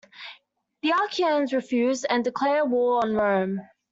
The Achaeans refused and declared war on Rome.